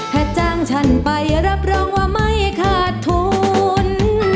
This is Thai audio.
ถ้าจ้างฉันไปรับรองว่าไม่ขาดทุน